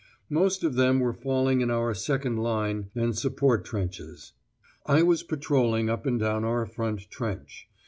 Most of them were falling in our second line and support trenches. I was patrolling up and down our front trench.